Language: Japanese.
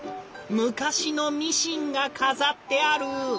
昔のミシンが飾ってある！